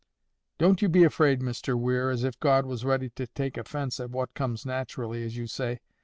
"Don't you be afraid, Mr Weir, as if God was ready to take offence at what comes naturally, as you say.